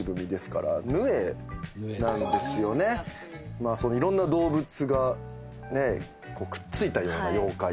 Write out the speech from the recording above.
まあいろんな動物がくっついたような妖怪ですよね。